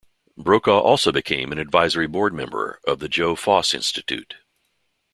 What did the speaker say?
Brokaw also became an Advisory Board member of the Joe Foss Institute.